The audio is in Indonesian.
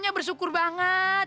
lo bisa bersyukur banget